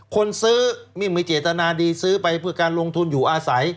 คนซื้อไม่มีเจตนาดีซื้อไปเพื่อการลงทุนอยู่อาศัย